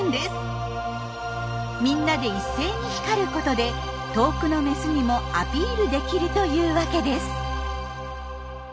みんなで一斉に光ることで遠くのメスにもアピールできるというわけです。